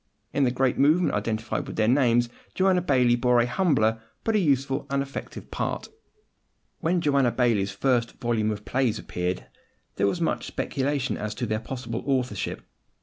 In the great movement identified with their names Joanna Baillie bore a humbler, but a useful and effective part. When Joanna Baillie's first volume of plays appeared, there was much speculation as to their possible authorship.